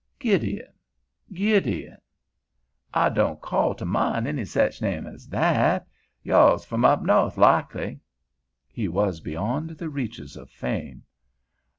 "Gideon, Gideon. I don' call to min' any sech name ez that. Yo' all's f'om up No'th likely." He was beyond the reaches of fame.